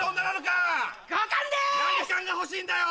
何冠が欲しいんだよ。